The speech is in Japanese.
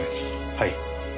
はい。